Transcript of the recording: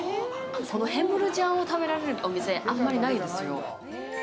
このへムルジャンを食べられるお店あんまりないんですよ。